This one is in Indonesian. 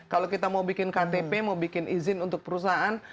kalau kita mau bikin ktp mau bikin izin untuk perusahaan